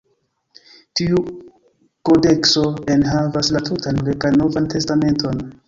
Tiu kodekso enhavas la tutan grekan Novan Testamenton.